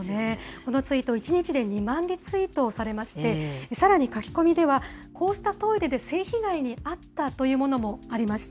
このツイート、１日で２万リツイートされまして、さらに書き込みでは、こうしたトイレで、性被害に遭ったというものもありました。